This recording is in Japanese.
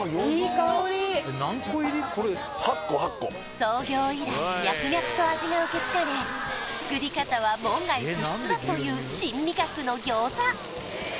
いい香り創業以来脈々と味が受け継がれ作り方は門外不出だという新味覚の餃子